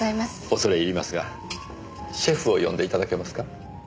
恐れ入りますがシェフを呼んで頂けますか？